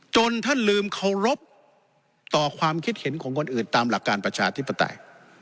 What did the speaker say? ท่านลืมเคารพต่อความคิดเห็นของคนอื่นตามหลักการประชาธิปไตย